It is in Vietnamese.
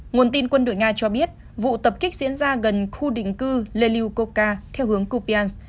nguồn tin quân đội nga cho biết vụ tập kích diễn ra gần khu định cư lelyukovka theo hướng kupyans